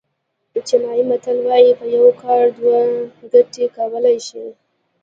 چینایي متل وایي په یو کار دوه ګټې کولای شي.